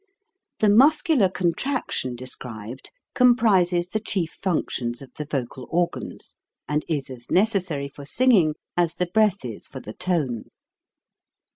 The muscular contraction described com prises the chief functions of the vocal organs, and is as necessary for singing as the breath is for the tone.